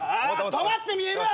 止まって見えるわ！